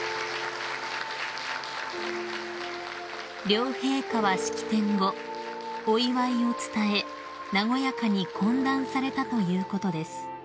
［両陛下は式典後お祝いを伝え和やかに懇談されたということです］